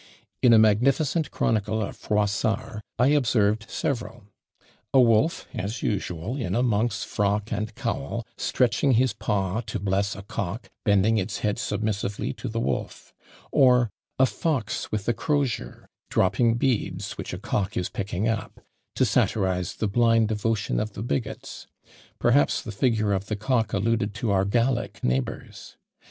In a magnificent chronicle of Froissart I observed several. A wolf, as usual, in a monk's frock and cowl, stretching his paw to bless a cock, bending its head submissively to the wolf: or a fox with a crosier, dropping beads, which a cock is picking up; to satirise the blind devotion of the bigots; perhaps the figure of the cock alluded to our Gallic neighbours.